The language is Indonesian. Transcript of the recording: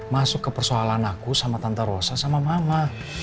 masuk ke persoalan aku sama tante rosa sama mama